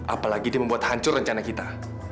apalagi dia membuat hancur rencana kita